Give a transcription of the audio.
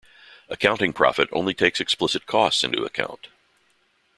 Accounting profit only takes explicit costs into account.